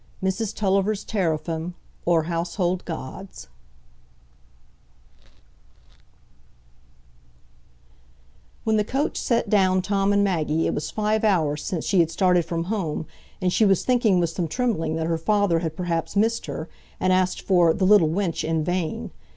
Mrs Tulliver's Teraphim, or Household Gods When the coach set down Tom and Maggie, it was five hours since she had started from home, and she was thinking with some trembling that her father had perhaps missed her, and asked for "the little wench" in vain.